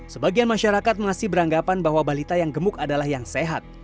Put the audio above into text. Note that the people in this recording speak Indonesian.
sebagian masyarakat masih beranggapan bahwa balita yang gemuk adalah yang sehat